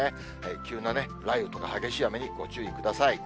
急な雷雨とか激しい雨にご注意ください。